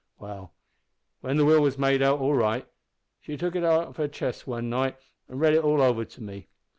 "Well, when the will was made out all right, she took it out of her chest one night an' read it all over to me.